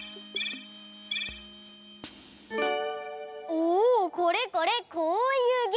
おおこれこれこういうゲーム。